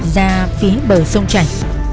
ra phía bờ sông trạnh